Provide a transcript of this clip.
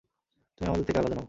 তুমি আমাদের থেকে আলাদা নও।